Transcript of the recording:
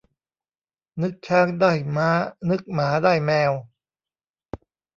นึกช้างได้ม้า นึกหมาได้แมว